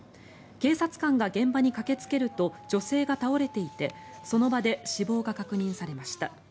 警察官が現場に駆けつけると女性か倒れていてその場で死亡が確認されました。